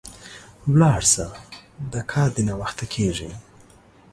ولاړ سه، د کار دي ناوخته کیږي